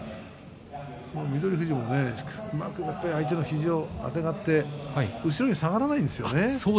富士もうまく相手の肘をあてがって後ろに下がらないんですよね。